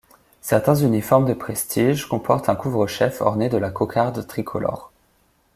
Certains uniformes de prestige comportent un couvre-chef orné de la cocarde tricolore.